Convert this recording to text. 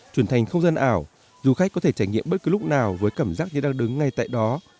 chuyển thành không gian ảo du khách có thể trải nghiệm bất cứ lúc nào với cảm giác như đang đứng ngay tại đó